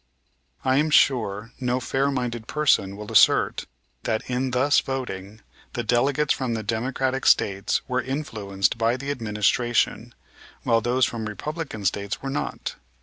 I am sure no fair minded person will assert that, in thus voting, the delegates from the Democratic States were influenced by the administration, while those from Republican States were not.